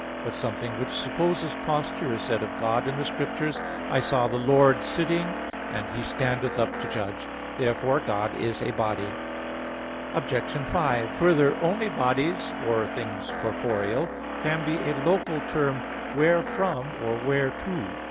But something which supposes posture is said of God in the Scriptures: "I saw the Lord sitting" (Isa. 6:1), and "He standeth up to judge" (Isa. 3:13). Therefore God is a body. Obj. 5: Further, only bodies or things corporeal can be a local term wherefrom or _whereto.